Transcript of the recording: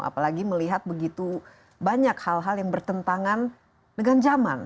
apalagi melihat begitu banyak hal hal yang bertentangan dengan zaman